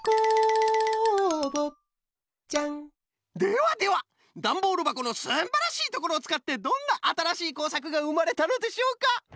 ではではダンボールばこのすんばらしいところをつかってどんなあたらしいこうさくがうまれたのでしょうか？